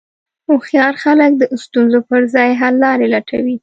هوښیار خلک د ستونزو پر ځای حللارې لټوي.